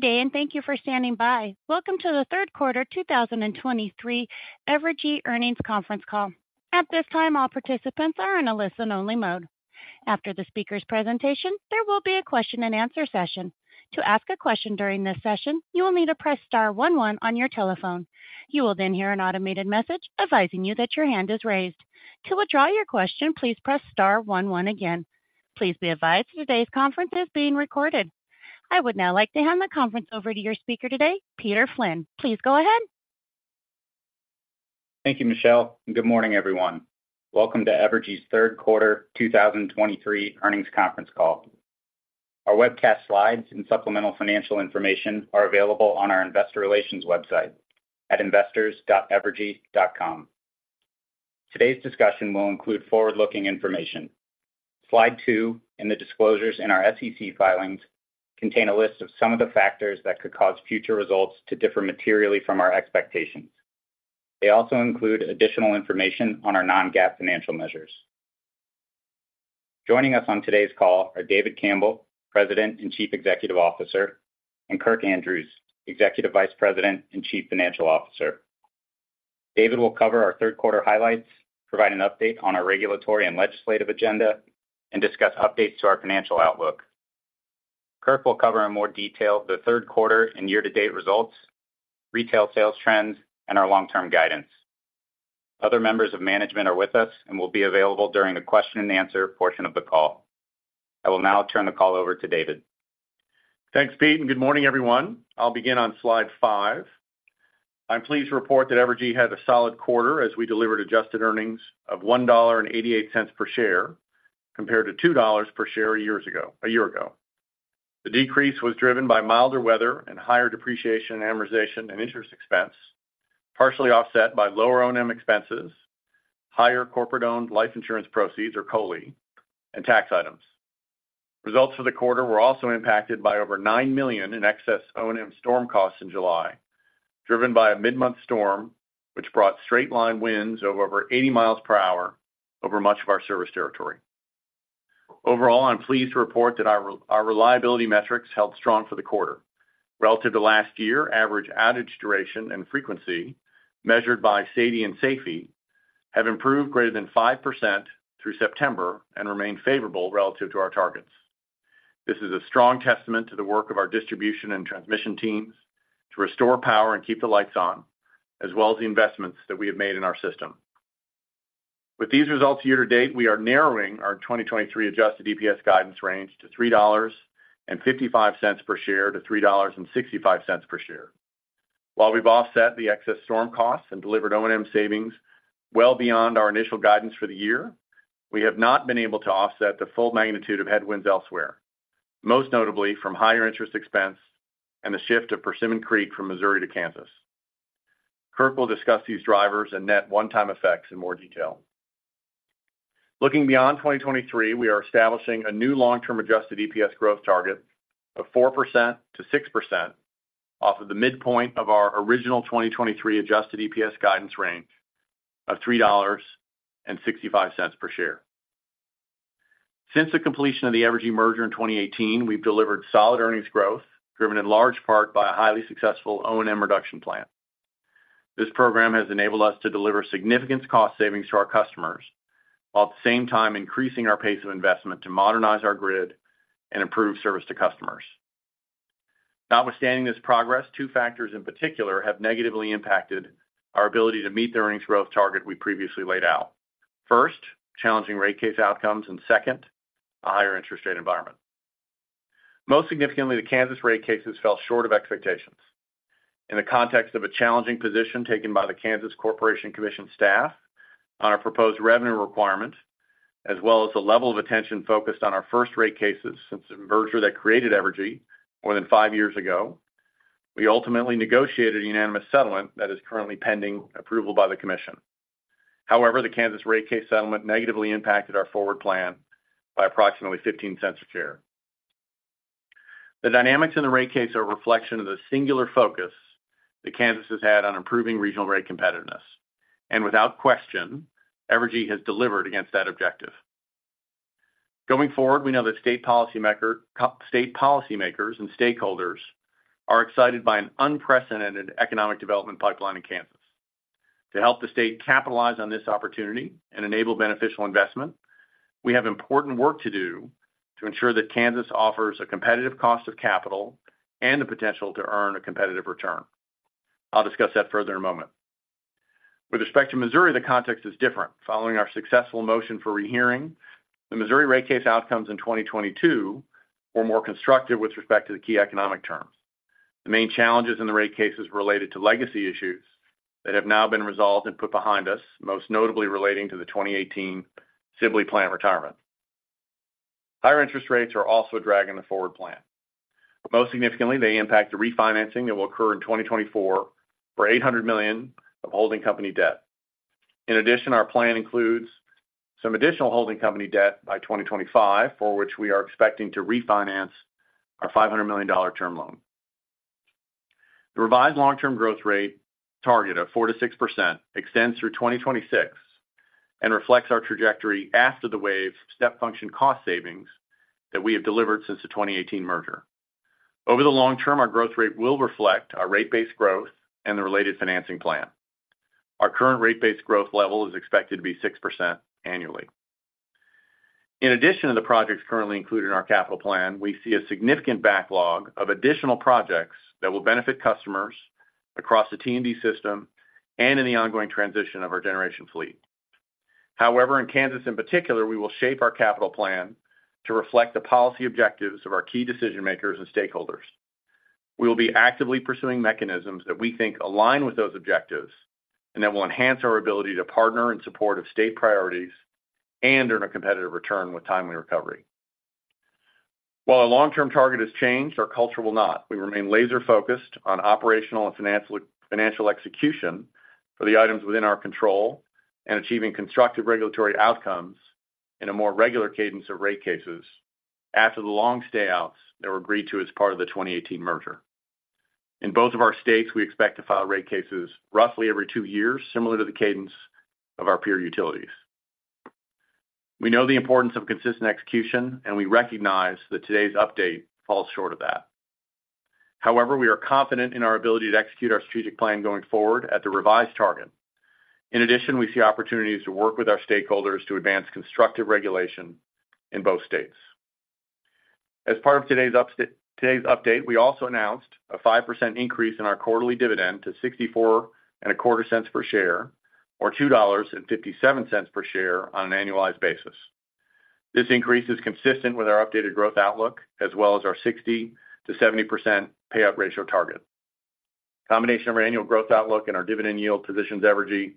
Good day, and thank you for standing by. Welcome to the third quarter 2023 Evergy Earnings Conference Call. At this time, all participants are in a listen-only mode. After the speaker's presentation, there will be a question-and-answer session. To ask a question during this session, you will need to press star one one on your telephone. You will then hear an automated message advising you that your hand is raised. To withdraw your question, please press star one one again. Please be advised today's conference is being recorded. I would now like to hand the conference over to your speaker today, Peter Flynn. Please go ahead. Thank you, Michelle, and good morning, everyone. Welcome to Evergy's third quarter 2023 earnings conference call. Our webcast slides and supplemental financial information are available on our investor relations website at investors.evergy.com. Today's discussion will include forward-looking information. Slide 2 and the disclosures in our SEC filings contain a list of some of the factors that could cause future results to differ materially from our expectations. They also include additional information on our non-GAAP financial measures. Joining us on today's call are David Campbell, President and Chief Executive Officer, and Kirk Andrews, Executive Vice President and Chief Financial Officer. David will cover our third quarter highlights, provide an update on our regulatory and legislative agenda, and discuss updates to our financial outlook. Kirk will cover in more detail the third quarter and year-to-date results, retail sales trends, and our long-term guidance. Other members of management are with us and will be available during the question-and-answer portion of the call. I will now turn the call over to David. Thanks, Pete, and good morning, everyone. I'll begin on Slide 5. I'm pleased to report that Evergy had a solid quarter as we delivered adjusted earnings of $1.88 per share, compared to $2 per share a year ago. The decrease was driven by milder weather and higher depreciation, amortization, and interest expense, partially offset by lower O&M expenses, higher corporate-owned life insurance proceeds, or COLI, and tax items. Results for the quarter were also impacted by over $9 million in excess O&M storm costs in July, driven by a mid-month storm, which brought straight-line winds of over 80 mi per hour over much of our service territory. Overall, I'm pleased to report that our reliability metrics held strong for the quarter. Relative to last year, average outage duration and frequency, measured by SAIDI and SAIFI, have improved greater than 5% through September and remain favorable relative to our targets. This is a strong testament to the work of our distribution and transmission teams to restore power and keep the lights on, as well as the investments that we have made in our system. With these results year to date, we are narrowing our 2023 Adjusted EPS guidance range to $3.55-$3.65 per share. While we've offset the excess storm costs and delivered O&M savings well beyond our initial guidance for the year, we have not been able to offset the full magnitude of headwinds elsewhere, most notably from higher interest expense and the shift of Persimmon Creek from Missouri to Kansas. Kirk will discuss these drivers and net one-time effects in more detail. Looking beyond 2023, we are establishing a new long-term Adjusted EPS growth target of 4%-6% off of the midpoint of our original 2023 Adjusted EPS guidance range of $3.65 per share. Since the completion of the Evergy merger in 2018, we've delivered solid earnings growth, driven in large part by a highly successful O&M reduction plan. This program has enabled us to deliver significant cost savings to our customers, while at the same time increasing our pace of investment to modernize our grid and improve service to customers. Notwithstanding this progress, two factors in particular have negatively impacted our ability to meet the earnings growth target we previously laid out. First, challenging rate case outcomes, and second, a higher interest rate environment. Most significantly, the Kansas rate cases fell short of expectations. In the context of a challenging position taken by the Kansas Corporation Commission staff on our proposed revenue requirement, as well as the level of attention focused on our first rate cases since the merger that created Evergy more than five years ago, we ultimately negotiated a unanimous settlement that is currently pending approval by the commission. However, the Kansas rate case settlement negatively impacted our forward plan by approximately $0.15 a share. The dynamics in the rate case are a reflection of the singular focus that Kansas has had on improving regional rate competitiveness, and without question, Evergy has delivered against that objective. Going forward, we know that state policymakers and stakeholders are excited by an unprecedented economic development pipeline in Kansas. To help the state capitalize on this opportunity and enable beneficial investment, we have important work to do to ensure that Kansas offers a competitive cost of capital and the potential to earn a competitive return. I'll discuss that further in a moment. With respect to Missouri, the context is different. Following our successful motion for rehearing, the Missouri rate case outcomes in 2022 were more constructive with respect to the key economic terms. The main challenges in the rate cases related to legacy issues that have now been resolved and put behind us, most notably relating to the 2018 Sibley Plant retirement. Higher interest rates are also dragging the forward plan. Most significantly, they impact the refinancing that will occur in 2024 for $800 million of holding company debt. In addition, our plan includes some additional holding company debt by 2025, for which we are expecting to refinance our $500 million term loan. The revised long-term growth rate target of 4%-6% extends through 2026 and reflects our trajectory after the wave step function cost savings that we have delivered since the 2018 merger. Over the long term, our growth rate will reflect our rate base growth and the related financing plan. Our current rate base growth level is expected to be 6% annually. In addition to the projects currently included in our capital plan, we see a significant backlog of additional projects that will benefit customers across the T&D system and in the ongoing transition of our generation fleet. However, in Kansas, in particular, we will shape our capital plan to reflect the policy objectives of our key decision makers and stakeholders. We will be actively pursuing mechanisms that we think align with those objectives, and that will enhance our ability to partner in support of state priorities and earn a competitive return with timely recovery. While our long-term target has changed, our culture will not. We remain laser-focused on operational and financial execution for the items within our control and achieving constructive regulatory outcomes in a more regular cadence of rate cases after the long stay outs that were agreed to as part of the 2018 merger. In both of our states, we expect to file rate cases roughly every two years, similar to the Cadence of our peer utilities. We know the importance of consistent execution, and we recognize that today's update falls short of that. However, we are confident in our ability to execute our strategic plan going forward at the revised target. In addition, we see opportunities to work with our stakeholders to advance constructive regulation in both states. As part of today's update, we also announced a 5% increase in our quarterly dividend to $0.6425 per share, or $2.57 per share on an annualized basis. This increase is consistent with our updated growth outlook, as well as our 60%-70% payout ratio target. Combination of our annual growth outlook and our dividend yield positions Evergy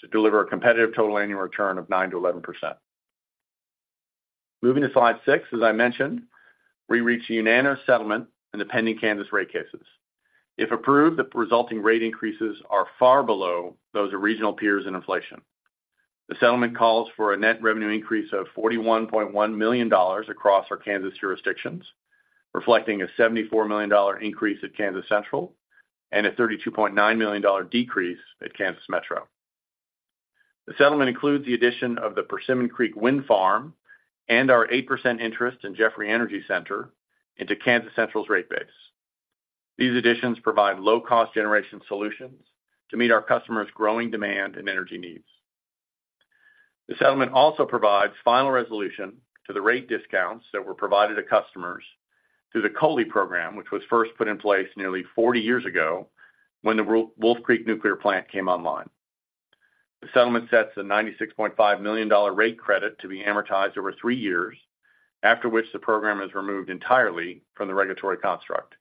to deliver a competitive total annual return of 9%-11%. Moving to slide 6, as I mentioned, we reached a unanimous settlement in the pending Kansas rate cases. If approved, the resulting rate increases are far below those of regional peers and inflation. The settlement calls for a net revenue increase of $41.1 million across our Kansas jurisdictions, reflecting a $74 million increase at Kansas Central and a $32.9 million decrease at Kansas Metro. The settlement includes the addition of the Persimmon Creek Wind Farm and our 8% interest in Jeffrey Energy Center into Kansas Central's rate base. These additions provide low-cost generation solutions to meet our customers' growing demand and energy needs. The settlement also provides final resolution to the rate discounts that were provided to customers through the COLI program, which was first put in place nearly 40 years ago when the Wolf Creek Nuclear Plant came online. The settlement sets a $96.5 million rate credit to be amortized over 3 years, after which the program is removed entirely from the regulatory construct.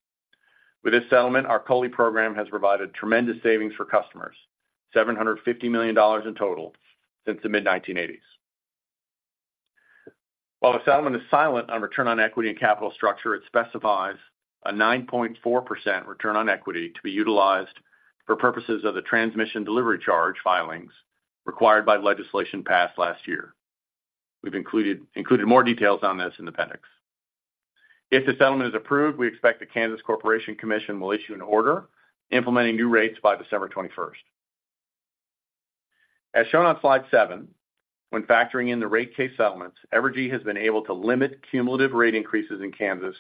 With this settlement, our COLI program has provided tremendous savings for customers, $750 million in total since the mid-1980s. While the settlement is silent on return on equity and capital structure, it specifies a 9.4% return on equity to be utilized for purposes of the transmission delivery charge filings required by legislation passed last year. We've included more details on this in the appendix. If the settlement is approved, we expect the Kansas Corporation Commission will issue an order implementing new rates by December 21st. As shown on slide 7, when factoring in the rate case settlements, Evergy has been able to limit cumulative rate increases in Kansas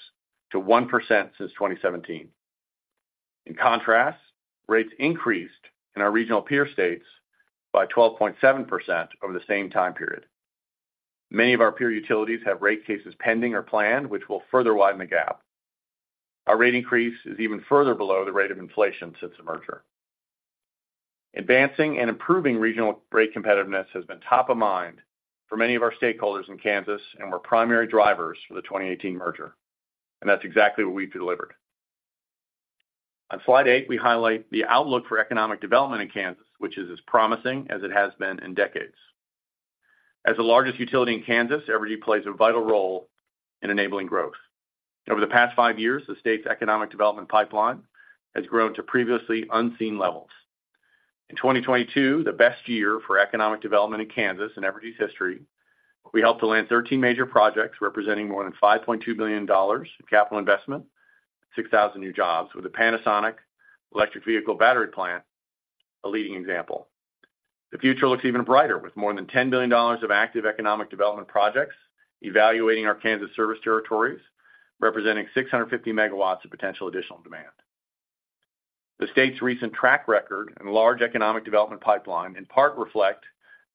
to 1% since 2017. In contrast, rates increased in our regional peer states by 12.7% over the same time period. Many of our peer utilities have rate cases pending or planned, which will further widen the gap. Our rate increase is even further below the rate of inflation since the merger. Advancing and improving regional rate competitiveness has been top of mind for many of our stakeholders in Kansas and were primary drivers for the 2018 merger, and that's exactly what we've delivered. On slide 8, we highlight the outlook for economic development in Kansas, which is as promising as it has been in decades. As the largest utility in Kansas, Evergy plays a vital role in enabling growth. Over the past five years, the state's economic development pipeline has grown to previously unseen levels. In 2022, the best year for economic development in Kansas in Evergy's history, we helped to land 13 major projects, representing more than $5.2 billion in capital investment, 6,000 new jobs, with a Panasonic electric vehicle battery plant, a leading example. The future looks even brighter, with more than $10 billion of active economic development projects evaluating our Kansas service territories, representing 650 MW of potential additional demand. The state's recent track record and large economic development pipeline in part reflect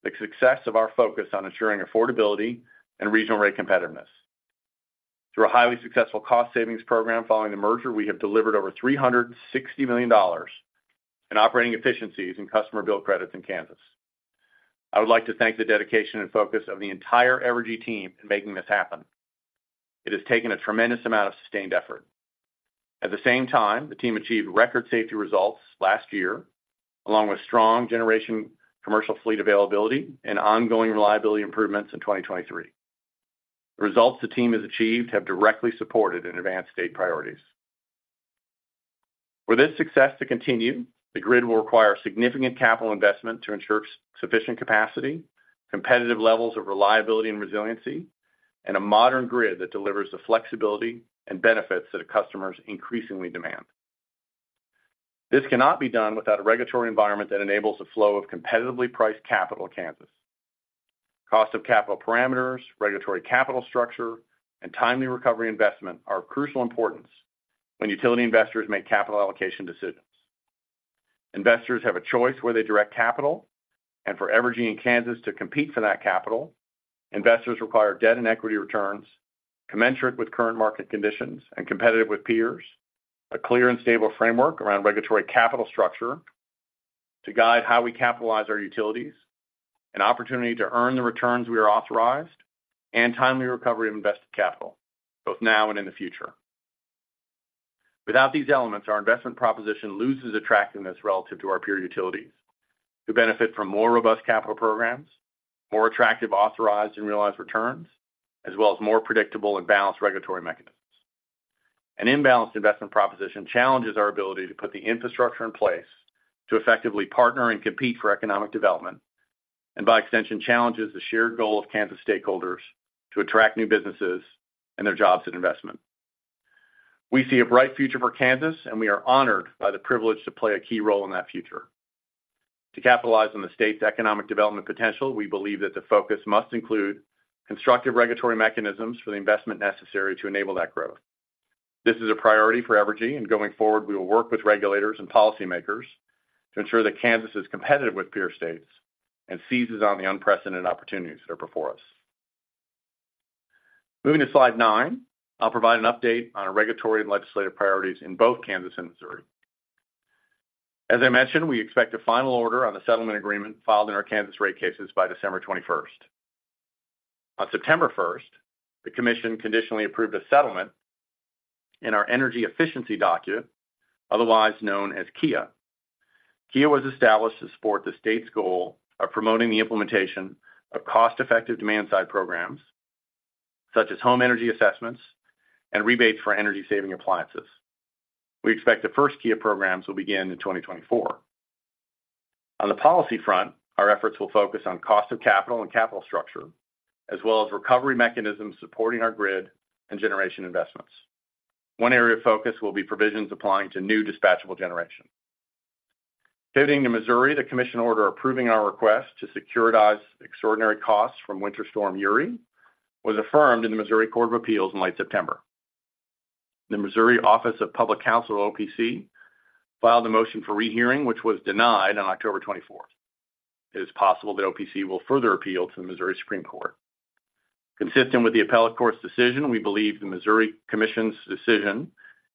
the success of our focus on ensuring affordability and regional rate competitiveness. Through a highly successful cost savings program following the merger, we have delivered over $360 million in operating efficiencies and customer bill credits in Kansas. I would like to thank the dedication and focus of the entire Evergy team in making this happen. It has taken a tremendous amount of sustained effort. At the same time, the team achieved record safety results last year, along with strong generation commercial fleet availability and ongoing reliability improvements in 2023. The results the team has achieved have directly supported and advanced state priorities. For this success to continue, the grid will require significant capital investment to ensure sufficient capacity, competitive levels of reliability and resiliency,... and a modern grid that delivers the flexibility and benefits that our customers increasingly demand. This cannot be done without a regulatory environment that enables the flow of competitively priced capital in Kansas. Cost of capital parameters, regulatory capital structure, and timely recovery investment are of crucial importance when utility investors make capital allocation decisions. Investors have a choice where they direct capital, and for Evergy in Kansas to compete for that capital, investors require debt and equity returns commensurate with current market conditions and competitive with peers, a clear and stable framework around regulatory capital structure to guide how we capitalize our utilities, an opportunity to earn the returns we are authorized, and timely recovery of invested capital, both now and in the future. Without these elements, our investment proposition loses attractiveness relative to our peer utilities, who benefit from more robust capital programs, more attractive authorized and realized returns, as well as more predictable and balanced regulatory mechanisms. An imbalanced investment proposition challenges our ability to put the infrastructure in place to effectively partner and compete for economic development, and by extension, challenges the shared goal of Kansas stakeholders to attract new businesses and their jobs and investment. We see a bright future for Kansas, and we are honored by the privilege to play a key role in that future. To capitalize on the state's economic development potential, we believe that the focus must include constructive regulatory mechanisms for the investment necessary to enable that growth. This is a priority for Evergy, and going forward, we will work with regulators and policymakers to ensure that Kansas is competitive with peer states and seizes on the unprecedented opportunities that are before us. Moving to slide 9, I'll provide an update on our regulatory and legislative priorities in both Kansas and Missouri. As I mentioned, we expect a final order on the settlement agreement filed in our Kansas rate cases by December 21. On September 1, the commission conditionally approved a settlement in our energy efficiency docket, otherwise known as KEEIA. KEEIA was established to support the state's goal of promoting the implementation of cost-effective demand-side programs such as home energy assessments and rebates for energy-saving appliances. We expect the first KEEIA programs will begin in 2024. On the policy front, our efforts will focus on cost of capital and capital structure, as well as recovery mechanisms supporting our grid and generation investments. One area of focus will be provisions applying to new dispatchable generation. Heading to Missouri, the commission order approving our request to securitize extraordinary costs from Winter Storm Uri was affirmed in the Missouri Court of Appeals in late September. The Missouri Office of Public Counsel, OPC, filed a motion for rehearing, which was denied on October 24th. It is possible that OPC will further appeal to the Missouri Supreme Court. Consistent with the appellate court's decision, we believe the Missouri Commission's decision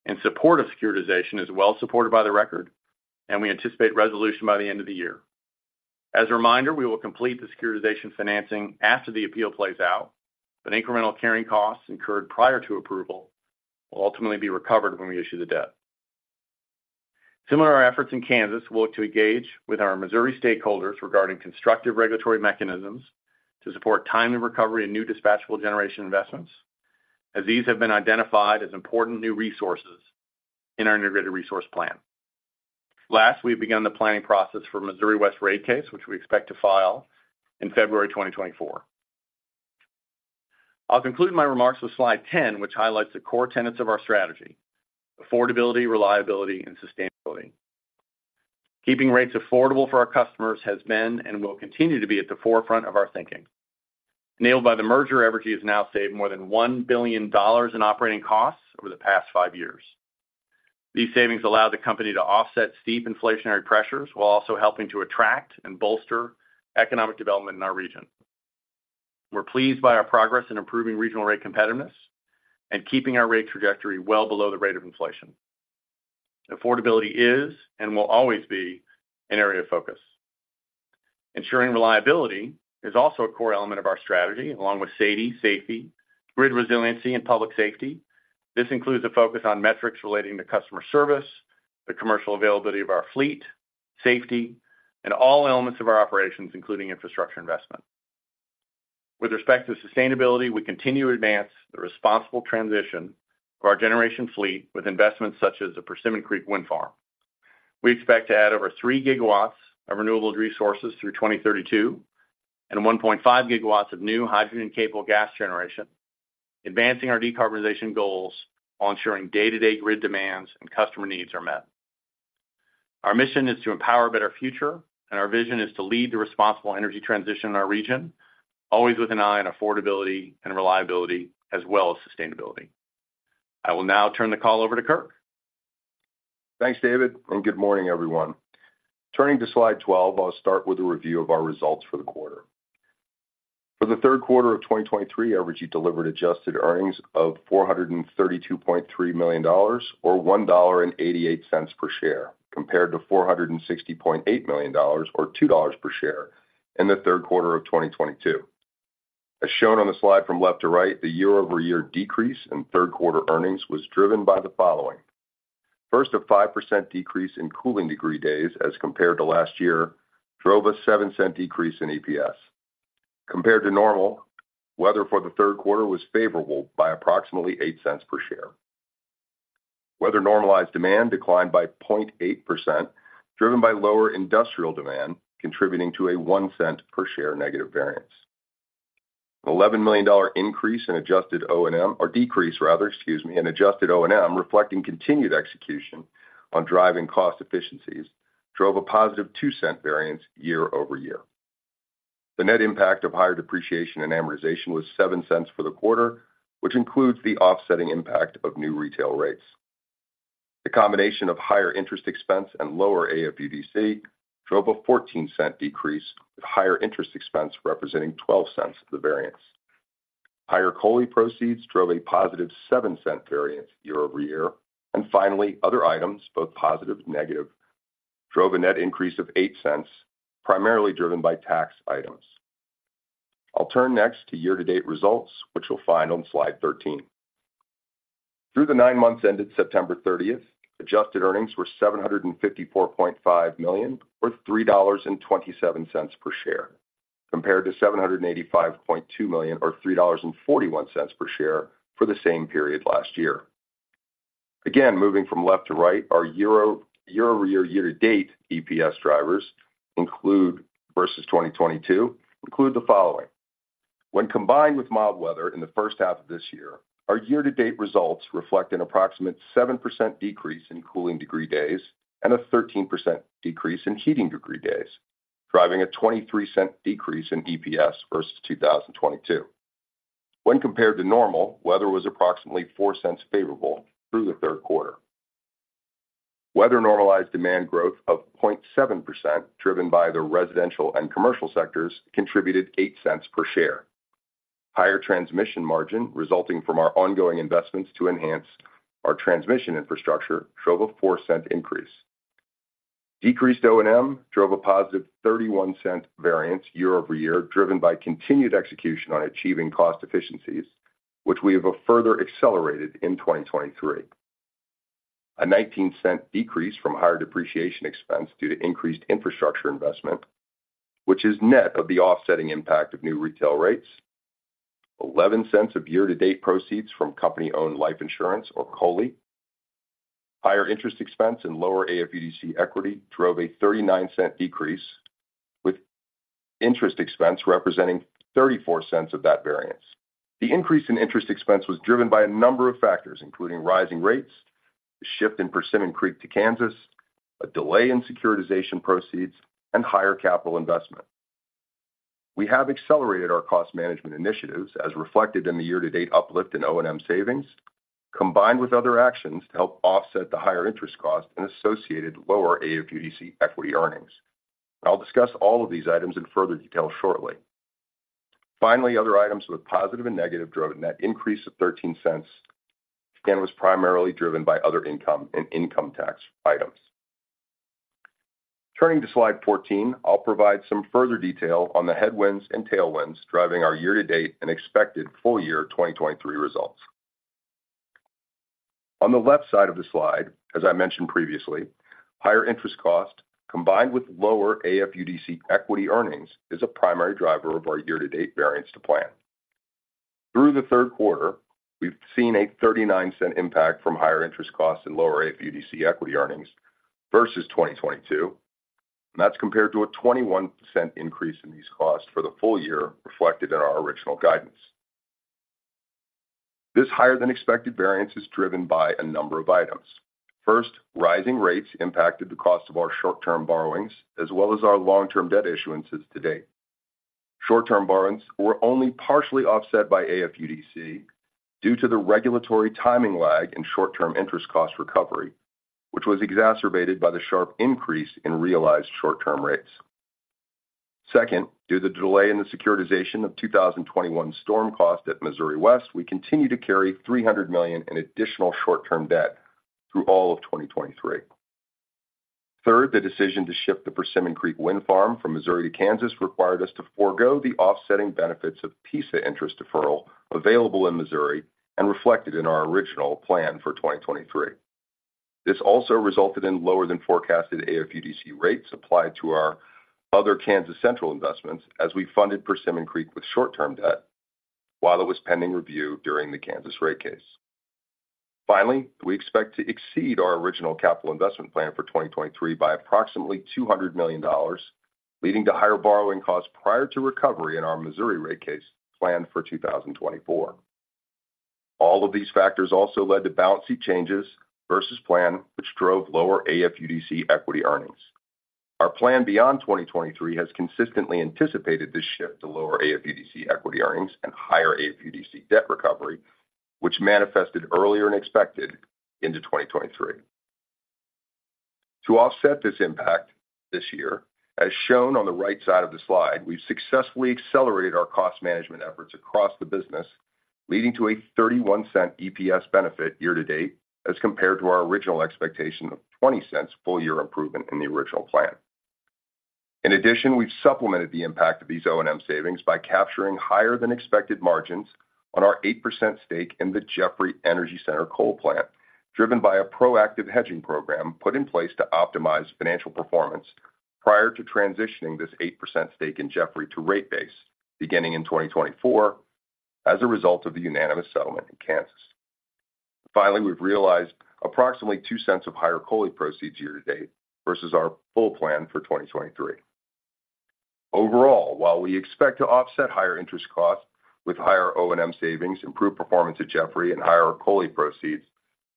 in support of securitization is well supported by the record, and we anticipate resolution by the end of the year. As a reminder, we will complete the securitization financing after the appeal plays out, but incremental carrying costs incurred prior to approval will ultimately be recovered when we issue the debt. Similar to our efforts in Kansas, we look to engage with our Missouri stakeholders regarding constructive regulatory mechanisms to support timely recovery and new dispatchable generation investments, as these have been identified as important new resources in our integrated resource plan. Last, we've begun the planning process for Missouri West rate case, which we expect to file in February 2024. I'll conclude my remarks with slide 10, which highlights the core tenets of our strategy: affordability, reliability, and sustainability. Keeping rates affordable for our customers has been and will continue to be at the forefront of our thinking. Enabled by the merger, Evergy has now saved more than $1 billion in operating costs over the past 5 years. These savings allow the company to offset steep inflationary pressures, while also helping to attract and bolster economic development in our region. We're pleased by our progress in improving regional rate competitiveness and keeping our rate trajectory well below the rate of inflation. Affordability is, and will always be, an area of focus. Ensuring reliability is also a core element of our strategy, along with safety, safety, grid resiliency, and public safety. This includes a focus on metrics relating to customer service, the commercial availability of our fleet, safety, and all elements of our operations, including infrastructure investment. With respect to sustainability, we continue to advance the responsible transition of our generation fleet with investments such as the Persimmon Creek Wind Farm. We expect to add over 3 GW of renewable resources through 2032 and 1.5 GW of new hydrogen-capable gas generation, advancing our decarbonization goals while ensuring day-to-day grid demands and customer needs are met. Our mission is to empower a better future, and our vision is to lead the responsible energy transition in our region, always with an eye on affordability and reliability, as well as sustainability. I will now turn the call over to Kirk. Thanks, David, and good morning, everyone. Turning to slide twelve, I'll start with a review of our results for the quarter. For the third quarter of 2023, Evergy delivered adjusted earnings of $432.3 million, or $1.88 per share, compared to $460.8 million, or $2.00 per share, in the third quarter of 2022. As shown on the slide from left to right, the year-over-year decrease in third-quarter earnings was driven by the following: First, a 5% decrease in cooling degree days as compared to last year drove a $0.07 decrease in EPS. Compared to normal, weather for the third quarter was favorable by approximately $0.08 per share. Weather normalized demand declined by 0.8%, driven by lower industrial demand, contributing to a $0.01 per share negative variance. $11 million increase in adjusted O&M, or decrease rather, excuse me, in adjusted O&M, reflecting continued execution on driving cost efficiencies, drove a positive $0.02 variance year-over-year. The net impact of higher depreciation and amortization was $0.07 for the quarter, which includes the offsetting impact of new retail rates. The combination of higher interest expense and lower AFUDC drove a $0.14 decrease, with higher interest expense representing $0.12 of the variance. Higher COLI proceeds drove a positive $0.07 variance year-over-year. And finally, other items, both positive and negative, drove a net increase of $0.08, primarily driven by tax items. I'll turn next to year-to-date results, which you'll find on slide 13. Through the 9 months ended September 30, adjusted earnings were $754.5 million, or $3.27 per share, compared to $785.2 million, or $3.41 per share, for the same period last year. Again, moving from left to right, our year-over-year to date EPS drivers include, versus 2022, include the following: When combined with mild weather in the first half of this year, our year-to-date results reflect an approximate 7% decrease in cooling degree days and a 13% decrease in heating degree days, driving a $0.23 decrease in EPS versus 2022. When compared to normal, weather was approximately $0.04 favorable through the third quarter. Weather normalized demand growth of 0.7%, driven by the residential and commercial sectors, contributed $0.08 per share. Higher transmission margin, resulting from our ongoing investments to enhance our transmission infrastructure, drove a $0.04 increase. Decreased O&M drove a positive $0.31 variance year-over-year, driven by continued execution on achieving cost efficiencies, which we have further accelerated in 2023. A $0.19 decrease from higher depreciation expense due to increased infrastructure investment, which is net of the offsetting impact of new retail rates. $0.11 of year-to-date proceeds from company-owned life insurance, or COLI. Higher interest expense and lower AFUDC equity drove a $0.39 decrease, with interest expense representing $0.34 of that variance. The increase in interest expense was driven by a number of factors, including rising rates, the shift in Persimmon Creek to Kansas, a delay in securitization proceeds, and higher capital investment. We have accelerated our cost management initiatives, as reflected in the year-to-date uplift in O&M savings, combined with other actions to help offset the higher interest cost and associated lower AFUDC equity earnings. I'll discuss all of these items in further detail shortly. Finally, other items with positive and negative drove a net increase of $0.13 and was primarily driven by other income and income tax items. Turning to slide 14, I'll provide some further detail on the headwinds and tailwinds driving our year-to-date and expected full-year 2023 results. On the left side of the slide, as I mentioned previously, higher interest cost, combined with lower AFUDC equity earnings, is a primary driver of our year-to-date variance to plan. Through the third quarter, we've seen a $0.39 impact from higher interest costs and lower AFUDC equity earnings versus 2022, and that's compared to a $0.21 increase in these costs for the full year, reflected in our original guidance. This higher-than-expected variance is driven by a number of items. First, rising rates impacted the cost of our short-term borrowings as well as our long-term debt issuances to date. Short-term borrowings were only partially offset by AFUDC due to the regulatory timing lag in short-term interest cost recovery, which was exacerbated by the sharp increase in realized short-term rates. Second, due to the delay in the securitization of 2021 storm costs at Missouri West, we continue to carry $300 million in additional short-term debt through all of 2023. Third, the decision to shift the Persimmon Creek Wind Farm from Missouri to Kansas required us to forgo the offsetting benefits of PISA interest deferral available in Missouri and reflected in our original plan for 2023. This also resulted in lower than forecasted AFUDC rates applied to our other Kansas Central investments as we funded Persimmon Creek with short-term debt while it was pending review during the Kansas rate case. Finally, we expect to exceed our original capital investment plan for 2023 by approximately $200 million, leading to higher borrowing costs prior to recovery in our Missouri rate case planned for 2024. All of these factors also led to bumpy changes versus plan, which drove lower AFUDC equity earnings. Our plan beyond 2023 has consistently anticipated this shift to lower AFUDC equity earnings and higher AFUDC debt recovery, which manifested earlier than expected into 2023. To offset this impact this year, as shown on the right side of the slide, we've successfully accelerated our cost management efforts across the business, leading to a $0.31 EPS benefit year to date, as compared to our original expectation of $0.20 full-year improvement in the original plan. In addition, we've supplemented the impact of these O&M savings by capturing higher-than-expected margins on our 8% stake in the Jeffrey Energy Center coal plant, driven by a proactive hedging program put in place to optimize financial performance prior to transitioning this 8% stake in Jeffrey to rate base beginning in 2024... as a result of the unanimous settlement in Kansas. Finally, we've realized approximately $0.02 of higher COLI proceeds year to date versus our full plan for 2023. Overall, while we expect to offset higher interest costs with higher O&M savings, improved performance at Jeffrey Energy Center and higher COLI proceeds,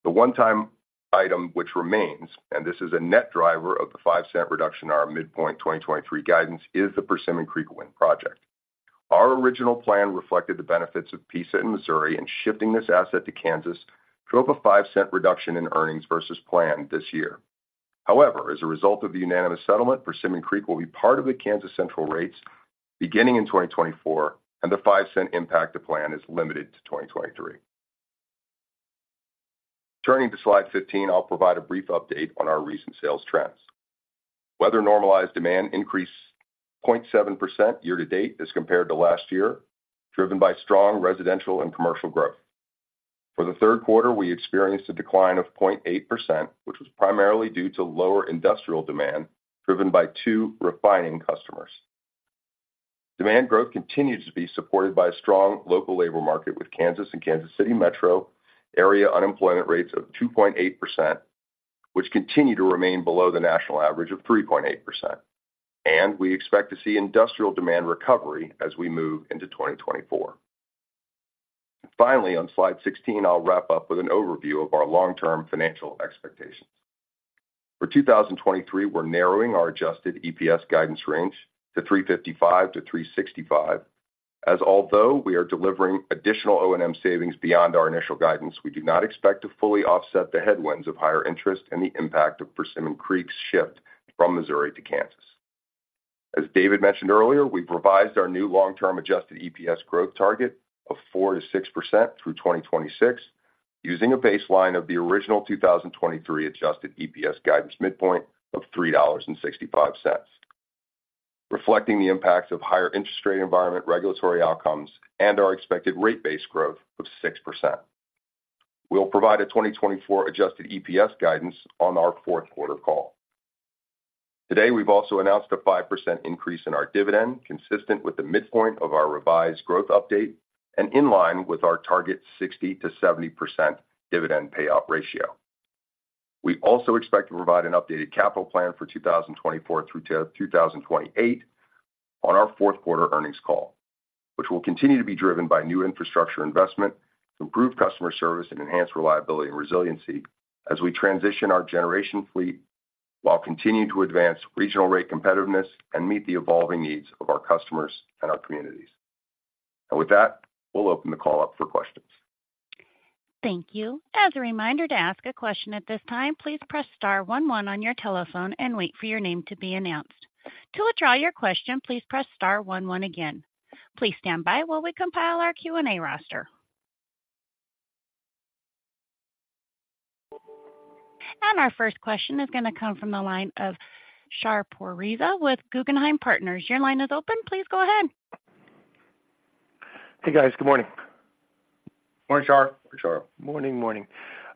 the one-time item which remains, and this is a net driver of the $0.05 reduction in our midpoint 2023 guidance, is the Persimmon Creek Wind Farm. Our original plan reflected the benefits of PISA in Missouri, and shifting this asset to Kansas drove a $0.05 reduction in earnings versus plan this year. However, as a result of the unanimous settlement, Persimmon Creek will be part of the Evergy Kansas Central, Inc. rates beginning in 2024, and the $0.05 impact to plan is limited to 2023. Turning to Slide 15, I'll provide a brief update on our recent sales trends. Weather normalized demand increased 0.7% year-to-date as compared to last year, driven by strong residential and commercial growth. For the third quarter, we experienced a decline of 0.8%, which was primarily due to lower industrial demand, driven by two refining customers. Demand growth continues to be supported by a strong local labor market, with Kansas and Kansas City metro area unemployment rates of 2.8%, which continue to remain below the national average of 3.8%, and we expect to see industrial demand recovery as we move into 2024. Finally, on Slide 16, I'll wrap up with an overview of our long-term financial expectations. For 2023, we're narrowing our adjusted EPS guidance range to $3.55-$3.65, as although we are delivering additional O&M savings beyond our initial guidance, we do not expect to fully offset the headwinds of higher interest and the impact of Persimmon Creek's shift from Missouri to Kansas. As David mentioned earlier, we've revised our new long-term Adjusted EPS growth target of 4%-6% through 2026, using a baseline of the original 2023 Adjusted EPS guidance midpoint of $3.65, reflecting the impacts of higher interest rate environment, regulatory outcomes, and our expected rate base growth of 6%. We'll provide a 2024 Adjusted EPS guidance on our fourth quarter call. Today, we've also announced a 5% increase in our dividend, consistent with the midpoint of our revised growth update and in line with our target 60%-70% dividend payout ratio. We also expect to provide an updated capital plan for 2024 through to 2028 on our fourth quarter earnings call, which will continue to be driven by new infrastructure investment to improve customer service and enhance reliability and resiliency as we transition our generation fleet, while continuing to advance regional rate competitiveness and meet the evolving needs of our customers and our communities. With that, we'll open the call up for questions. Thank you. As a reminder, to ask a question at this time, please press star one, one on your telephone and wait for your name to be announced. To withdraw your question, please press star one, one again. Please stand by while we compile our Q&A roster. Our first question is going to come from the line of Shar Pourreza with Guggenheim Partners. Your line is open. Please go ahead. Hey, guys. Good morning. Morning, Shar. Morning, Shar. Morning, morning.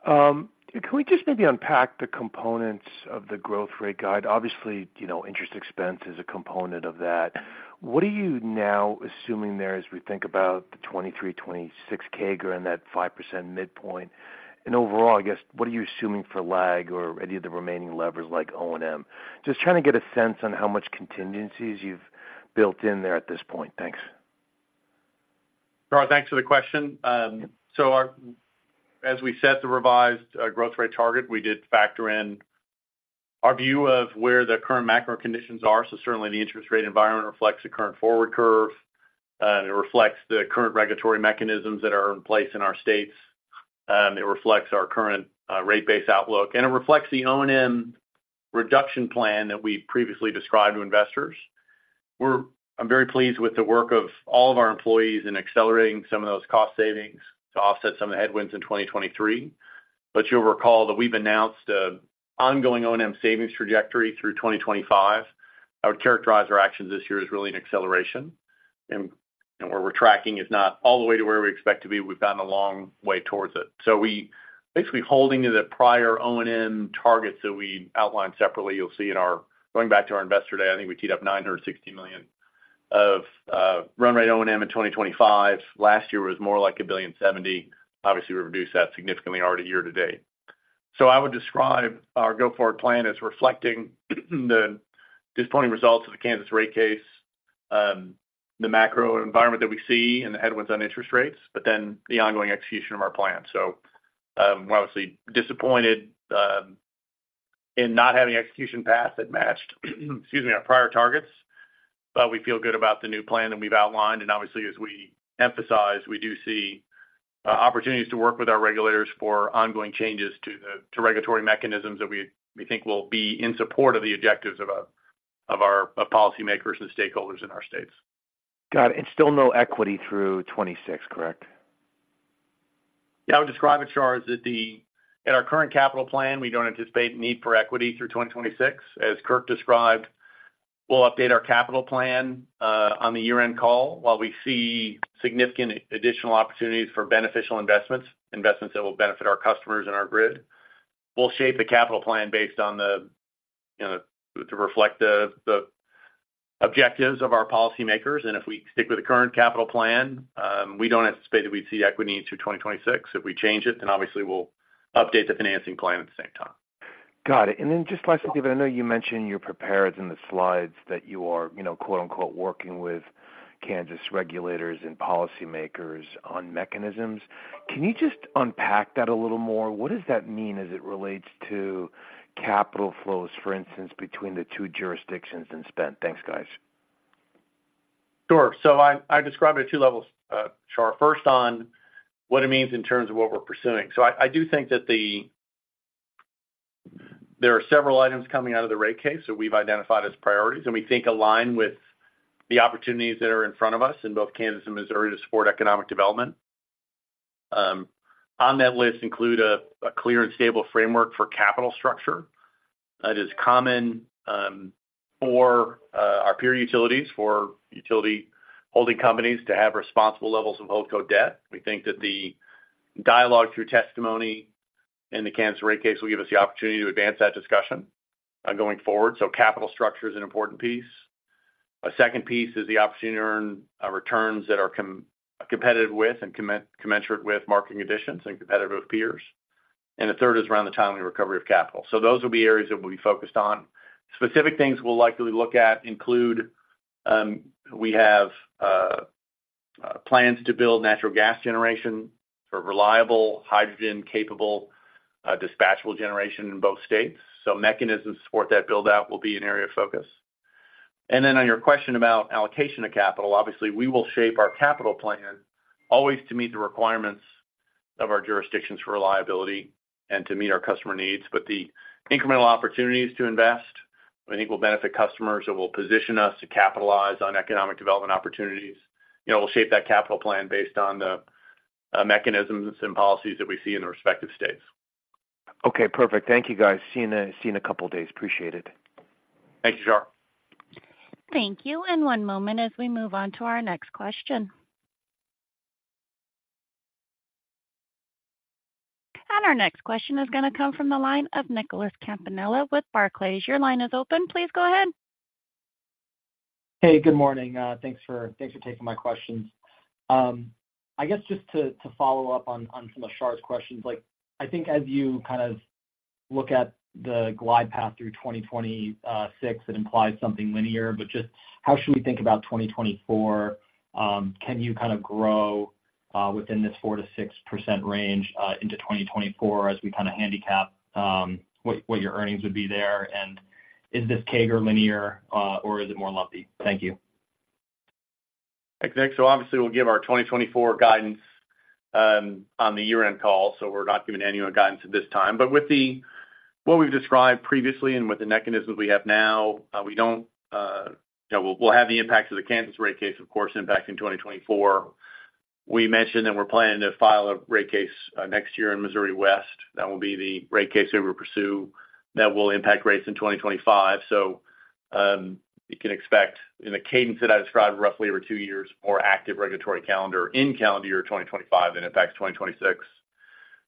Can we just maybe unpack the components of the growth rate guide? Obviously, you know, interest expense is a component of that. What are you now assuming there as we think about the 2023-2026 CAGR and that 5% midpoint? And overall, I guess, what are you assuming for LAG or any of the remaining levers like O&M? Just trying to get a sense on how much contingencies you've built in there at this point. Thanks. Shar, thanks for the question. So, as we set the revised growth rate target, we did factor in our view of where the current macro conditions are. So certainly, the interest rate environment reflects the current forward curve. It reflects the current regulatory mechanisms that are in place in our states. It reflects our current rate base outlook, and it reflects the O&M reduction plan that we previously described to investors. I'm very pleased with the work of all of our employees in accelerating some of those cost savings to offset some of the headwinds in 2023. But you'll recall that we've announced an ongoing O&M savings trajectory through 2025. I would characterize our actions this year as really an acceleration, and where we're tracking is not all the way to where we expect to be. We've gotten a long way towards it. So we basically holding to the prior O&M targets that we outlined separately, you'll see in our, going back to our Investor Day, I think we teed up $960 million of run-rate O&M in 2025. Last year was more like $1.07 billion. Obviously, we've reduced that significantly already year-to-date. So I would describe our go-forward plan as reflecting the disappointing results of the Kansas rate case, the macro environment that we see and the headwinds on interest rates, but then the ongoing execution of our plan. So, we're obviously disappointed in not having execution path that matched, excuse me, our prior targets. But we feel good about the new plan that we've outlined, and obviously, as we emphasized, we do see opportunities to work with our regulators for ongoing changes to the regulatory mechanisms that we think will be in support of the objectives of our policymakers and stakeholders in our states. Got it. Still no equity through 2026, correct? Yeah, I would describe it, Shar, as that the in our current capital plan, we don't anticipate need for equity through 2026. As Kirk described, we'll update our capital plan on the year-end call. While we see significant additional opportunities for beneficial investments, investments that will benefit our customers and our grid, we'll shape the capital plan based on the, you know, to reflect the objectives of our policymakers, and if we stick with the current capital plan, we don't anticipate that we'd see equity into 2026. If we change it, then obviously we'll update the financing plan at the same time. Got it. And then just lastly, but I know you mentioned you're prepared in the slides that you are, you know, quote, unquote, "working with Kansas regulators and policymakers on mechanisms." Can you just unpack that a little more? What does that mean as it relates to capital flows, for instance, between the two jurisdictions and spend? Thanks, guys. Sure. So I describe it at two levels, Shar. First, on what it means in terms of what we're pursuing. So I do think that there are several items coming out of the rate case that we've identified as priorities, and we think align with the opportunities that are in front of us in both Kansas and Missouri to support economic development. On that list include a clear and stable framework for capital structure that is common for our peer utilities, for utility holding companies to have responsible levels of holdco debt. We think that the dialogue through testimony in the Kansas rate case will give us the opportunity to advance that discussion going forward. So capital structure is an important piece. A second piece is the opportunity to earn returns that are competitive with and commensurate with marketing additions and competitive with peers. And the third is around the timely recovery of capital. So those will be areas that we'll be focused on. Specific things we'll likely look at include, we have plans to build natural gas generation for reliable, hydrogen-capable, dispatchable generation in both states. So mechanisms to support that build-out will be an area of focus. And then on your question about allocation of capital, obviously, we will shape our capital plan always to meet the requirements of our jurisdictions for reliability and to meet our customer needs. But the incremental opportunities to invest, I think, will benefit customers and will position us to capitalize on economic development opportunities. You know, we'll shape that capital plan based on the mechanisms and policies that we see in the respective states. Okay, perfect. Thank you, guys. See you in a couple of days. Appreciate it. Thank you, Shar. Thank you. One moment as we move on to our next question. Our next question is going to come from the line of Nicholas Campanella with Barclays. Your line is open. Please go ahead. Hey, good morning. Thanks for, thanks for taking my questions. I guess just to, to follow up on, on some of Shar's questions, like, I think as you kind of look at the glide path through 2026, it implies something linear, but just how should we think about 2024? Can you kind of grow, within this 4%-6% range, into 2024 as we kind of handicap, what your earnings would be there? And is this CAGR linear, or is it more lumpy? Thank you. Thanks, Nick. So obviously, we'll give our 2024 guidance on the year-end call, so we're not giving annual guidance at this time. But with the what we've described previously and with the mechanisms we have now, we don't, you know, we'll have the impacts of the Kansas rate case, of course, impacting 2024. We mentioned that we're planning to file a rate case next year in Missouri West. That will be the rate case that we pursue that will impact rates in 2025. So, you can expect in the cadence that I described, roughly over 2 years, more active regulatory calendar in calendar year 2025 than in fact, 2026.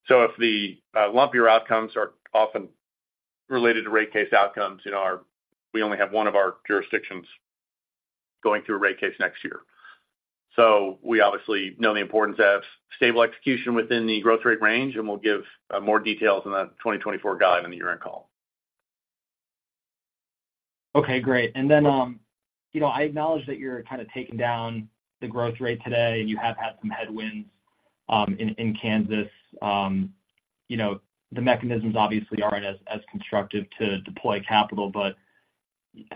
So if the lumpier outcomes are often related to rate case outcomes, you know, we only have one of our jurisdictions going through a rate case next year. We obviously know the importance of stable execution within the growth rate range, and we'll give more details on that 2024 guide in the year-end call. Okay, great. And then, you know, I acknowledge that you're kind of taking down the growth rate today, and you have had some headwinds in Kansas. You know, the mechanisms obviously aren't as constructive to deploy capital, but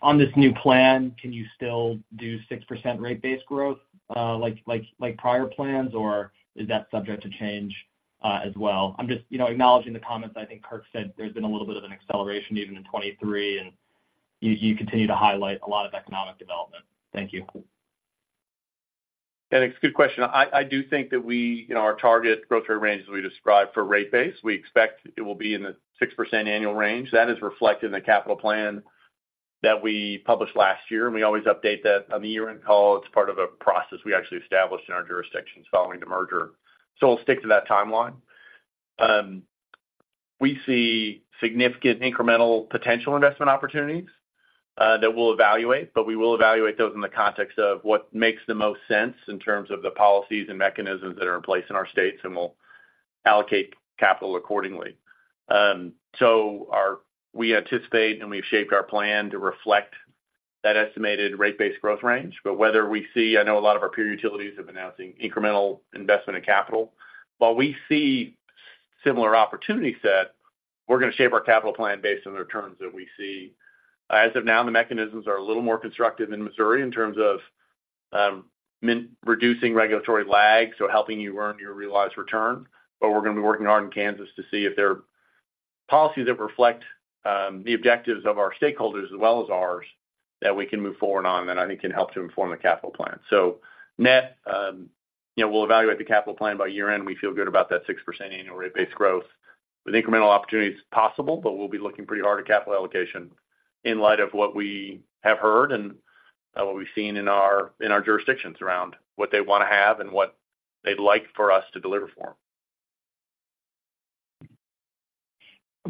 on this new plan, can you still do 6% rate base growth, like prior plans, or is that subject to change as well? I'm just, you know, acknowledging the comments. I think Kirk said there's been a little bit of an acceleration even in 2023, and you continue to highlight a lot of economic development. Thank you. Yeah, Nick, it's a good question. I, I do think that we, you know, our target growth rate range, as we described for rate base, we expect it will be in the 6% annual range. That is reflected in the capital plan that we published last year, and we always update that on the year-end call. It's part of a process we actually established in our jurisdictions following the merger. So we'll stick to that timeline. We see significant incremental potential investment opportunities that we'll evaluate, but we will evaluate those in the context of what makes the most sense in terms of the policies and mechanisms that are in place in our states, and we'll allocate capital accordingly. So we anticipate, and we've shaped our plan to reflect that estimated rate base growth range. Whether we see, I know a lot of our peer utilities have announcing incremental investment in capital. While we see similar opportunity set, we're going to shape our capital plan based on the returns that we see. As of now, the mechanisms are a little more constructive in Missouri in terms of reducing regulatory lag, so helping you earn your realized return. But we're going to be working hard in Kansas to see if there are policies that reflect the objectives of our stakeholders as well as ours, that we can move forward on, that I think can help to inform the capital plan. So net, you know, we'll evaluate the capital plan by year-end. We feel good about that 6% annual rate base growth. With incremental opportunities possible, but we'll be looking pretty hard at capital allocation in light of what we have heard and what we've seen in our jurisdictions around what they want to have and what they'd like for us to deliver for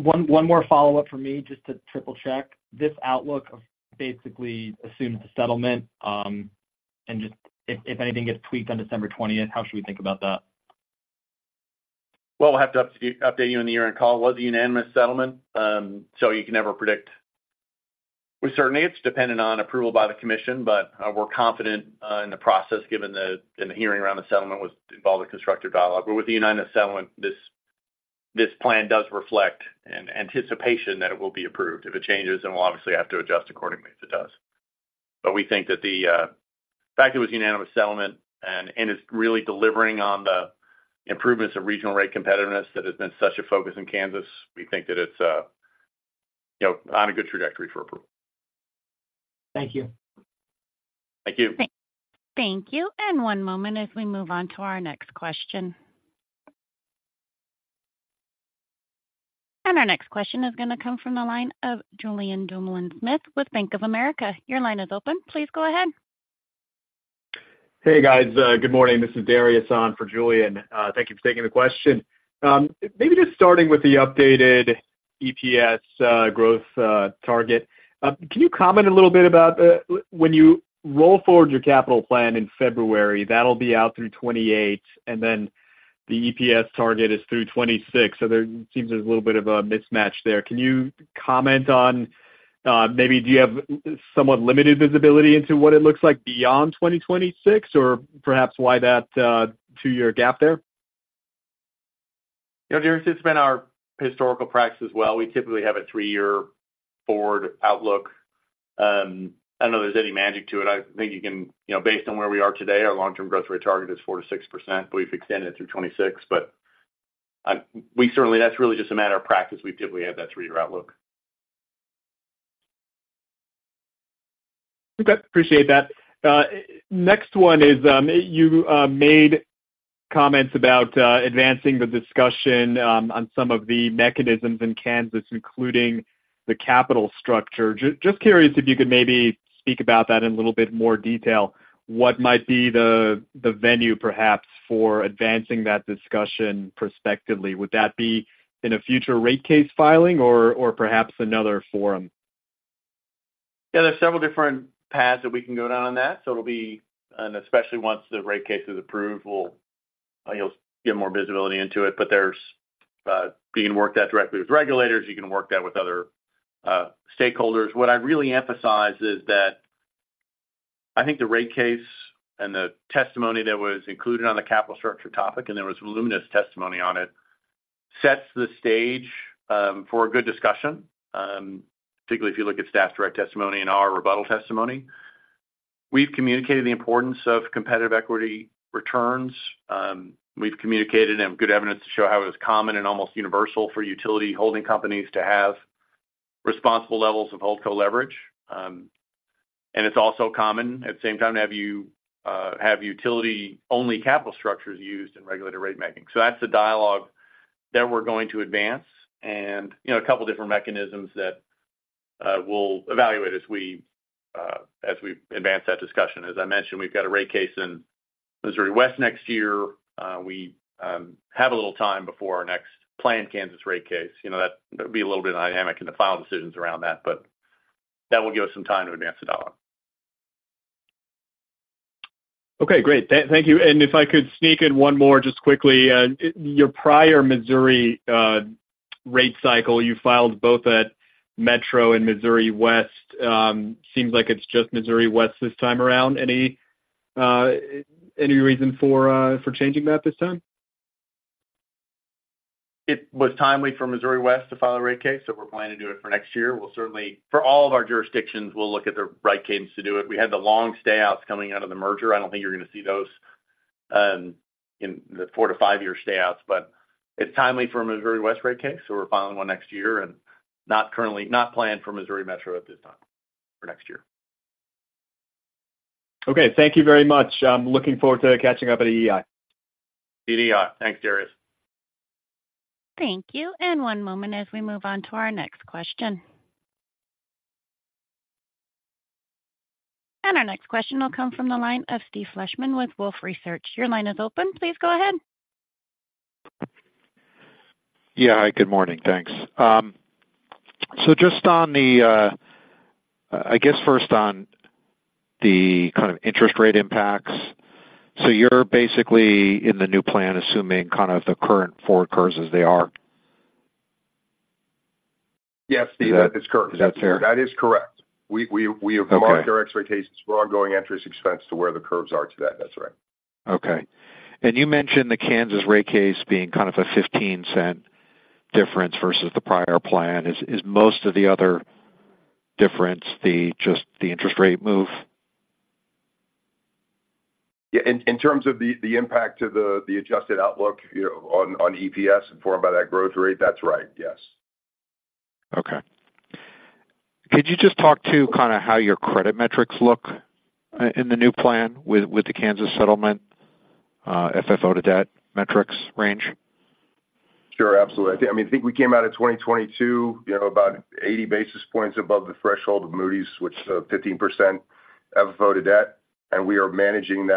them. One more follow-up for me, just to triple-check. This outlook basically assumes a settlement, and just if anything gets tweaked on December twentieth, how should we think about that? Well, we'll have to update you in the earnings call. It was a unanimous settlement, so you can never predict. We certainly, it's dependent on approval by the commission, but we're confident in the process, given the in the hearing around the settlement was involved a constructive dialogue. But with the unanimous settlement, this plan does reflect an anticipation that it will be approved. If it changes, then we'll obviously have to adjust accordingly if it does. But we think that the fact it was a unanimous settlement and it's really delivering on the improvements in regional rate competitiveness that has been such a focus in Kansas, we think that it's you know on a good trajectory for approval. Thank you. Thank you. Thank you. And one moment as we move on to our next question. And our next question is going to come from the line of Julian Dumoulin-Smith with Bank of America. Your line is open. Please go ahead. Hey, guys, good morning. This is Darius on for Julian. Thank you for taking the question. Maybe just starting with the updated EPS growth target. Can you comment a little bit about when you roll forward your capital plan in February, that'll be out through 2028, and then the EPS target is through 2026. So there seems there's a little bit of a mismatch there. Can you comment on maybe do you have somewhat limited visibility into what it looks like beyond 2026, or perhaps why that two-year gap there? You know, Darius, it's been our historical practice as well. We typically have a three-year forward outlook. I don't know there's any magic to it. I think you can, you know, based on where we are today, our long-term growth rate target is 4%-6%. We've extended it through 2026, but, we certainly that's really just a matter of practice. We typically have that three-year outlook. Okay, appreciate that. Next one is, you made comments about advancing the discussion on some of the mechanisms in Kansas, including the capital structure. Just curious if you could maybe speak about that in a little bit more detail. What might be the venue, perhaps, for advancing that discussion prospectively? Would that be in a future rate case filing or, perhaps another forum? Yeah, there's several different paths that we can go down on that, so it'll be and especially once the rate case is approved, we'll, you'll get more visibility into it. But there's, you can work that directly with regulators, you can work that with other stakeholders. What I'd really emphasize is that I think the rate case and the testimony that was included on the capital structure topic, and there was voluminous testimony on it, sets the stage for a good discussion, particularly if you look at staff direct testimony and our rebuttal testimony. We've communicated the importance of competitive equity returns. We've communicated and good evidence to show how it was common and almost universal for utility holding companies to have responsible levels of holdco leverage. And it's also common, at the same time, to have you, have utility-only capital structures used in regulatory rate making. So that's the dialogue that we're going to advance and, you know, a couple of different mechanisms that, we'll evaluate as we, as we advance that discussion. As I mentioned, we've got a rate case in Missouri West next year. We have a little time before our next planned Kansas rate case. You know, that there'll be a little bit of dynamic in the final decisions around that, but that will give us some time to advance the dollar. Okay, great. Thank you. And if I could sneak in one more just quickly. Your prior Missouri rate cycle, you filed both at Metro and Missouri West. Seems like it's just Missouri West this time around. Any reason for changing that this time? It was timely for Missouri West to file a rate case, so we're planning to do it for next year. We'll certainly, for all of our jurisdictions, we'll look at the right cases to do it. We had the long stay outs coming out of the merger. I don't think you're going to see those in the 4-5-year stay outs, but it's timely for a Missouri West rate case, so we're filing one next year and not currently planned for Missouri Metro at this time for next year. Okay, thank you very much. I'm looking forward to catching up at EEI. EEI. Thanks, Darius. Thank you. And one moment as we move on to our next question. And our next question will come from the line of Steve Fleishman with Wolfe Research. Your line is open. Please go ahead. Yeah. Hi, good morning. Thanks. So just on the, I guess first on the kind of interest rate impacts. So you're basically in the new plan, assuming kind of the current forward curves as they are? Yes, Steve, that is correct. Is that fair? That is correct. We- Okay. Have marked our expectations for ongoing interest expense to where the curves are today. That's right. Okay. And you mentioned the Kansas rate case being kind of a $0.15 difference versus the prior plan. Is most of the other difference just the interest rate move? Yeah. In terms of the impact to the adjusted outlook, you know, on EPS informed by that growth rate, that's right, yes. Okay. Could you just talk to kind of how your credit metrics look in the new plan with the Kansas settlement, FFO to debt metrics range? Sure, absolutely. I mean, I think we came out of 2022, you know, about 80 basis points above the threshold of Moody's, which is 15% FFO to debt, and we are managing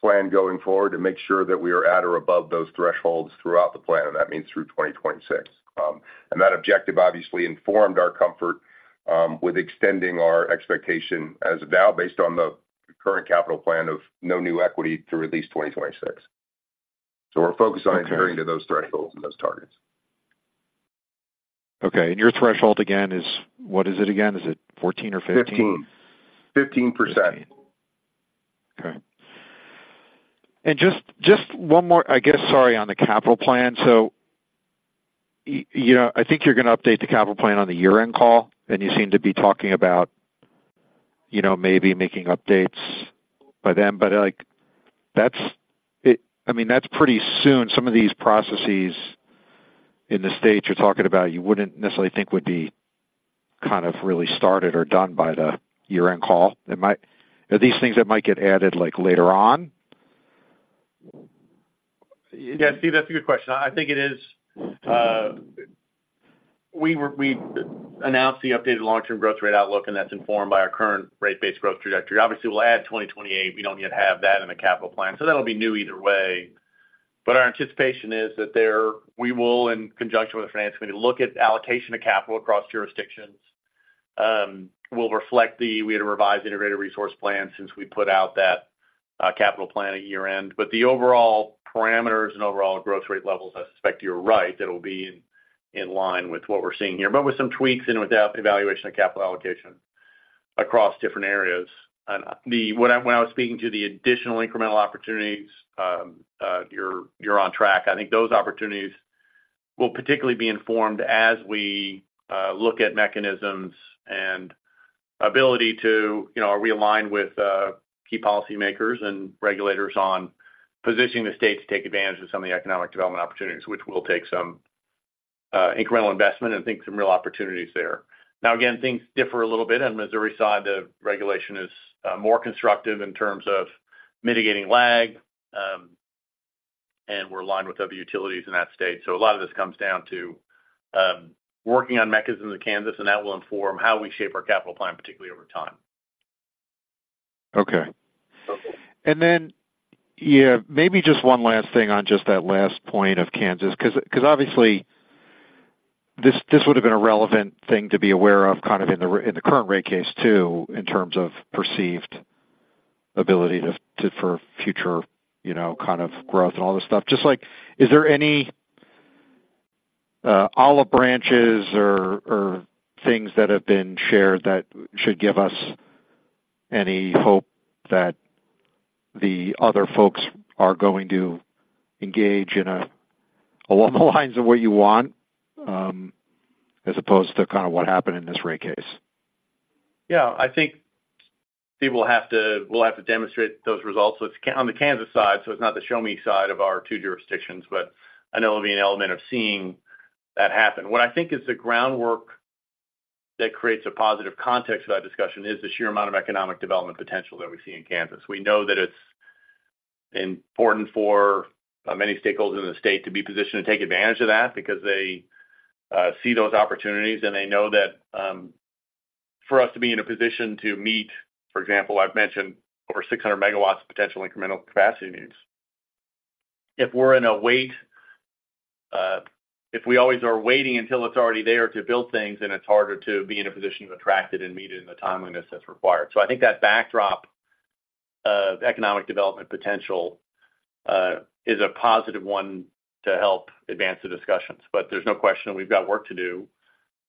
that plan going forward to make sure that we are at or above those thresholds throughout the plan, and that means through 2026. That objective obviously informed our comfort with extending our expectation as of now, based on the current capital plan of no new equity through at least 2026. So we're focused on adhering to those thresholds and those targets. Okay. Your threshold again is, what is it again? Is it 14% or 15%? 15%. Okay. And just one more, I guess, sorry, on the capital plan. So, you know, I think you're going to update the capital plan on the year-end call, and you seem to be talking about, you know, maybe making updates by then. But, like, that's it, I mean, that's pretty soon. Some of these processes in the state you're talking about, you wouldn't necessarily think would be kind of really started or done by the year-end call. Are these things that might get added, like, later on? Yeah, Steve, that's a good question. I think it is, we announced the updated long-term growth rate outlook, and that's informed by our current rate-based growth trajectory. Obviously, we'll add 2028. We don't yet have that in the capital plan, so that'll be new either way. But our anticipation is that we will, in conjunction with the finance committee, look at allocation of capital across jurisdictions. We'll reflect that we had a revised integrated resource plan since we put out that capital plan at year-end. But the overall parameters and overall growth rate levels, I suspect you're right, that'll be in line with what we're seeing here, but with some tweaks and with the evaluation of capital allocation across different areas. And when I was speaking to the additional incremental opportunities, you're on track. I think those opportunities will particularly be informed as we look at mechanisms and ability to, you know, realign with key policymakers and regulators on positioning the state to take advantage of some of the economic development opportunities, which will take some incremental investment and I think some real opportunities there. Now, again, things differ a little bit. On Missouri side, the regulation is more constructive in terms of mitigating lag, and we're aligned with other utilities in that state. So a lot of this comes down to working on mechanisms in Kansas, and that will inform how we shape our capital plan, particularly over time. Okay. Okay. And then, yeah, maybe just one last thing on just that last point of Kansas, 'cause obviously this would have been a relevant thing to be aware of kind of in the current rate case, too, in terms of perceived ability to for future, you know, kind of growth and all this stuff. Just like, is there any olive branches or things that have been shared that should give us any hope that the other folks are going to engage in along the lines of what you want, as opposed to kind of what happened in this rate case? Yeah, I think people have to we'll have to demonstrate those results. So it's on the Kansas side, so it's not the Show-Me side of our two jurisdictions, but I know it'll be an element of seeing that happen. What I think is the groundwork that creates a positive context of that discussion is the sheer amount of economic development potential that we see in Kansas. We know that it's important for many stakeholders in the state to be positioned to take advantage of that because they see those opportunities and they know that, for us to be in a position to meet, for example, I've mentioned over 600 megawatts of potential incremental capacity needs. If we're in a wait, if we always are waiting until it's already there to build things, then it's harder to be in a position to attract it and meet it in the timeliness that's required. So I think that backdrop of economic development potential is a positive one to help advance the discussions. But there's no question we've got work to do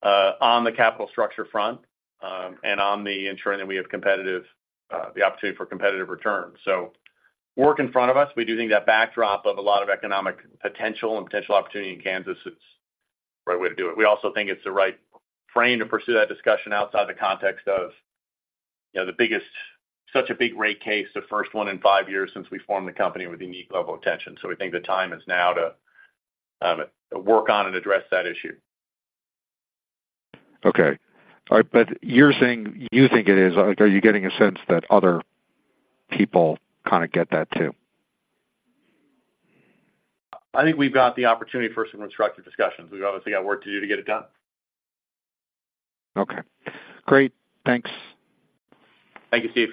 on the capital structure front, and on the ensuring that we have competitive, the opportunity for competitive returns. So work in front of us. We do think that backdrop of a lot of economic potential and potential opportunity in Kansas is the right way to do it. We also think it's the right frame to pursue that discussion outside the context of, you know, the biggest such a big rate case, the first one in five years since we formed the company with a unique level of attention. So we think the time is now to, work on and address that issue. Okay. All right, but you're saying you think it is. Are you getting a sense that other people kind of get that, too? I think we've got the opportunity for some constructive discussions. We've obviously got work to do to get it done. Okay, great. Thanks. Thank you, Steve.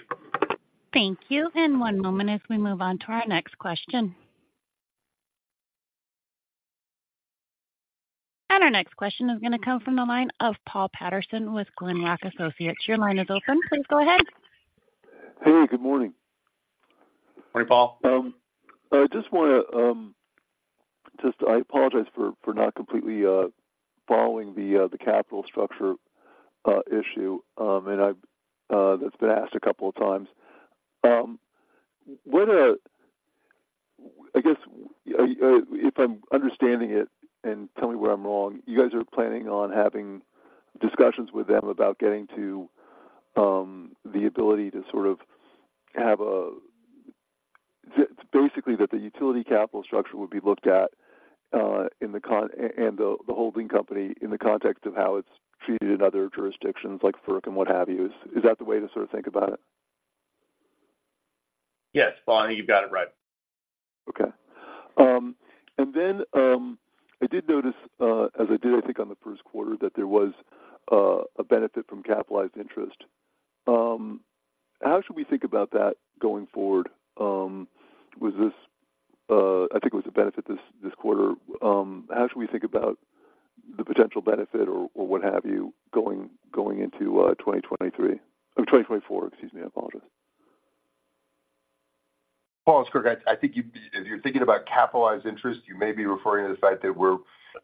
Thank you, and one moment as we move on to our next question. Our next question is going to come from the line of Paul Patterson with Glenrock Associates. Your line is open. Please go ahead. Hey, good morning. Morning, Paul. I just want to apologize for not completely following the capital structure issue, and that's been asked a couple of times. I guess, if I'm understanding it, and tell me where I'm wrong, you guys are planning on having discussions with them about getting to the ability to sort of have a... Basically, that the utility capital structure would be looked at, and the holding company in the context of how it's treated in other jurisdictions like FERC and what have you. Is that the way to sort of think about it? Yes, Paul, I think you've got it right. And then, I did notice, as I did, I think, on the first quarter, that there was a benefit from capitalized interest. How should we think about that going forward? Was this, I think it was a benefit this quarter. How should we think about the potential benefit or what have you, going into 2023. 2024, excuse me, I apologize. Paul, it's Kirk. I think you—if you're thinking about capitalized interest, you may be referring to the fact that we're,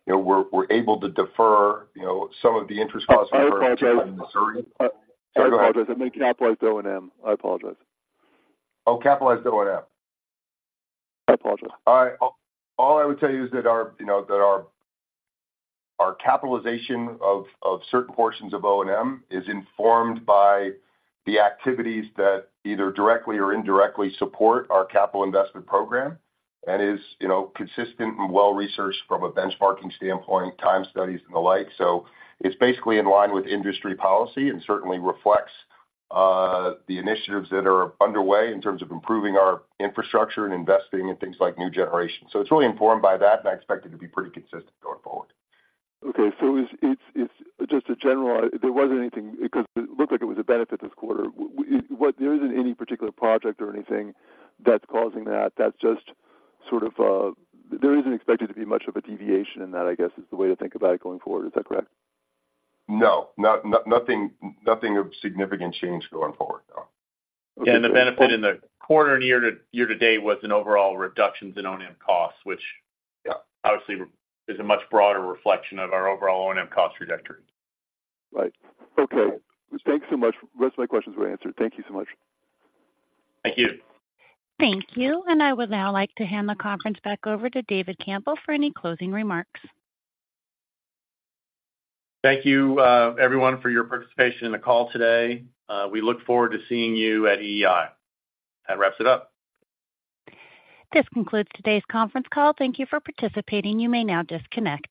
you know, able to defer, you know, some of the interest costs in Missouri. I apologize. Go ahead. I apologize. I meant capitalized O&M. I apologize. Oh, capitalized O&M? I apologize. All I would tell you is that our, you know, capitalization of certain portions of O&M is informed by the activities that either directly or indirectly support our capital investment program and is, you know, consistent and well-researched from a benchmarking standpoint, time studies, and the like. So it's basically in line with industry policy and certainly reflects the initiatives that are underway in terms of improving our infrastructure and investing in things like new generation. So it's really informed by that, and I expect it to be pretty consistent going forward. Okay. So it's just a general. There wasn't anything, because it looked like it was a benefit this quarter. What, there isn't any particular project or anything that's causing that? That's just sort of, there isn't expected to be much of a deviation in that, I guess, is the way to think about it going forward. Is that correct? No. Nothing of significant change going forward, no. Yeah, the benefit in the quarter and year-to-date was an overall reduction in O&M costs, which- Yeah Obviously is a much broader reflection of our overall O&M cost trajectory. Right. Okay. Thanks so much. The rest of my questions were answered. Thank you so much. Thank you. Thank you. I would now like to hand the conference back over to David Campbell for any closing remarks. Thank you, everyone, for your participation in the call today. We look forward to seeing you at EEI. That wraps it up. This concludes today's conference call. Thank you for participating. You may now disconnect.